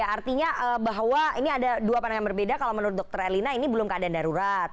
artinya bahwa ini ada dua pandangan berbeda kalau menurut dr elina ini belum keadaan darurat